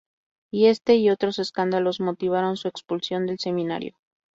Y este y otros escándalos motivaron su expulsión del seminario.